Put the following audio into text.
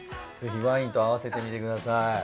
ぜひワインと合わせてみてください。